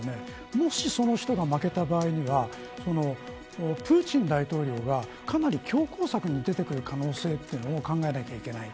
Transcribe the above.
もしその人が負けた場合にはプーチン大統領がかなり強硬策に出てくる可能性というのを考えなきゃいけない。